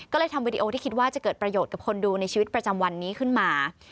ก็เลยทำวิดีโอที่คิดว่าจะเกิดประโยชน์กับคนดูในชีวิตประจำวันนี้ขึ้นมา